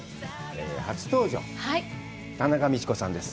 初登場田中道子さんです。